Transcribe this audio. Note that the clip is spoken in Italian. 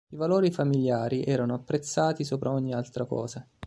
I valori familiari erano apprezzati sopra ogni altra cosa.